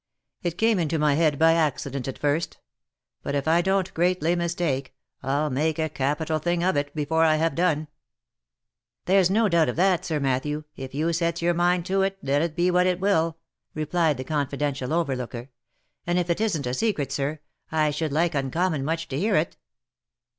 It came into my head by accident at first ; but if I don't greatly mistake, I'll make a capital thing of it before I have done." " There's no doubt of that, Sir Matthew, if you sets your mind to it, let it be what it will," replied the confidential overlooker ;" and if it isn't a secret, sir, I should like uncommon much to hear it."